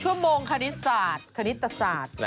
ชั่วโมงคณิตศาสตร์คณิตศาสตร์